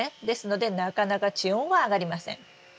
ですのでなかなか地温は上がりません。